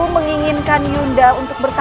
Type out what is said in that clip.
menjadi pelayan dinda